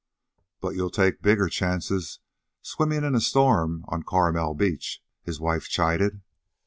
"But you'll take bigger chances swimming in a storm on Carmel Beach," his wife chided.